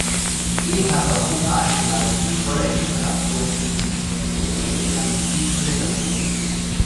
Dem hat Europa eine Strategie voller Inspirationen entgegengestellt, die Strategie von Lissabon.